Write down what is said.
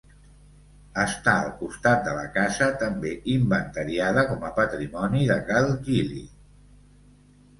Està al costat de la casa també inventariada com a patrimoni de Cal Gili.